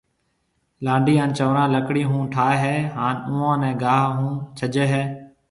لانڊَي ھان چنورا لڪڙِي ھون ٺائيَ ھيََََ ھان اوئون نيَ گاھ ھون ڇجيَ ھيََََ